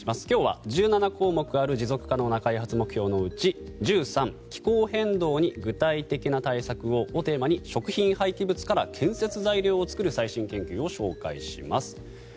今日は１７項目ある持続可能な開発目標のうち「１３気候変動に具体的な対策を」をテーマに食品廃棄物から建設材料を作る最新研究を紹介します。